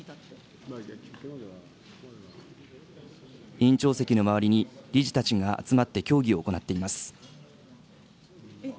委員長席の周りに理事たちが集まって協議を行っています。